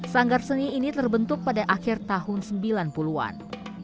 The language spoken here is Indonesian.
sanggar seni ini terbentuk pada akhir tahun sembilan puluh an